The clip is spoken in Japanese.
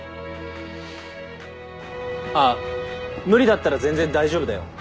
あっ無理だったら全然大丈夫だよ。